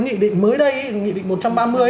nghị định mới đây nghị định một trăm ba mươi